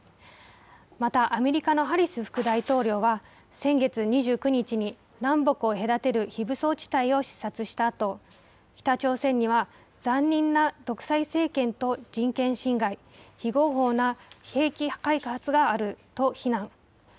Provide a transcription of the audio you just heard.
またアメリカのハリス副大統領は、先月２９日に南北を隔てる非武装地帯を視察したあと、北朝鮮には残忍な独裁政権と人権侵害、非合法な兵器開発があると非難。